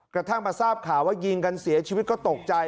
กระทั่งมาทราบข่าวว่ายิงกันเสียชีวิตก็ตกใจ